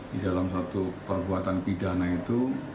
di dalam suatu perbuatan pidana itu